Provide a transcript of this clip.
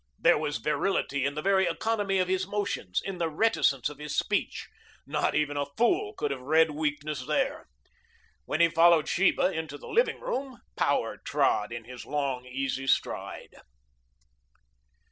There was virility in the very economy of his motions, in the reticence of his speech. Not even a fool could have read weakness there. When he followed Sheba into the living room, power trod in his long, easy stride.